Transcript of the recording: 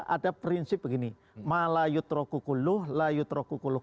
ada prinsip begini ma layut roh kukuluh layut roh kukuluh